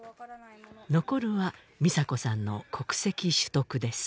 残るは美砂子さんの国籍取得です